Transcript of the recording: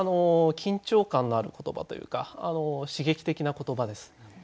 緊張感のある言葉というか刺激的な言葉です。